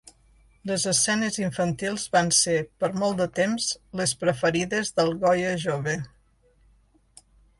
Les escenes infantils van ser, per molt de temps, les preferides del Goya jove.